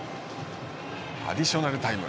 アディショナルタイム。